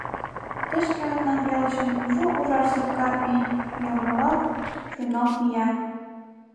Тышке мемнан велчын кужу ужар сопка пий йылмыла шуйналт мия.